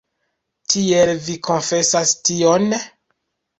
Tiel, vi konfesas tion?